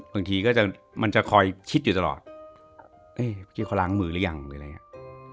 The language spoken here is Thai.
บางทีก็จะมันจะคอยคิดอยู่ตลอดเอ๊ะเมื่อกี้เขาล้างมือหรือยังหรืออะไรอย่างนี้